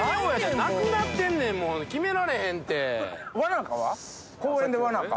なくなってんねん、決められへんて。